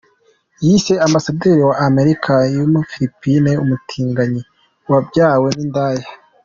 Yise ambasaderi wa Amerika muri Philippines “umutinganyi wabyawe n’indaya”.